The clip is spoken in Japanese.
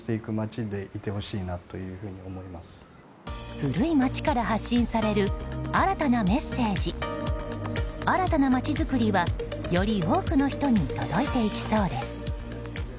古い街から発信される新たなメッセージ新たな街づくりはより多くの人に届いていきそうです。